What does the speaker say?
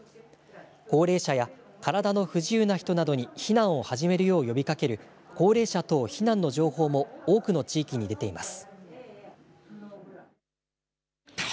高齢者や体の不自由な人などに避難を始めるよう呼びかける高齢者等避難の情報も多くの地域に出ています。